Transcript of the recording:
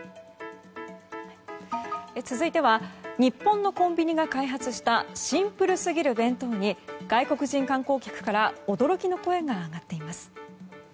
続いては日本のコンビニが開発したシンプルすぎる弁当に外国人観光客から驚きの声が上がっています。